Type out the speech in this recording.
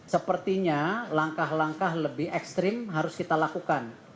sepertinya langkah langkah lebih ekstrim harus kita lakukan